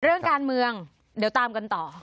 เรื่องการเมืองเดี๋ยวตามกันต่อ